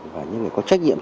và những người có trách nhiệm